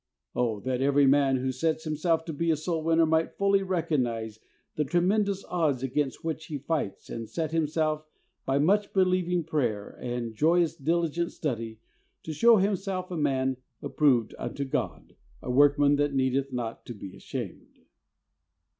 Oh, that every man who sets himself to be a soul winner might fully recognize the tre mendous odds against which he fights and set himself by much believing prayer and 58 THE soul winner's secret. joyous, diligent study to show himself a man "approved unto God, a workman that needeth not to be ashamed